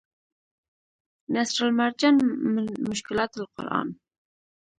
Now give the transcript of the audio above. نصرالمرجان من مشکلات القرآن